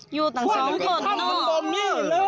อยู่ตรงสองคนอ่ะ